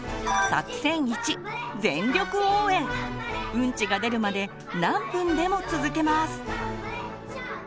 うんちが出るまで何分でも続けます！